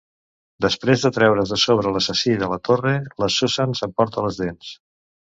Després de treure's de sobre l'assassí de la torre, la Susan s'emporta les dents.